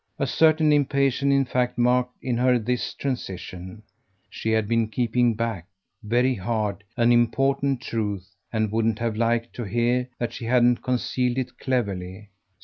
A certain impatience in fact marked in her this transition: she had been keeping back, very hard, an important truth and wouldn't have liked to hear that she hadn't concealed it cleverly.